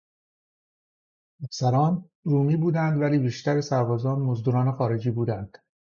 افسران، رومی بودند ولی بیشتر سربازان مزدوران خارجی بودند.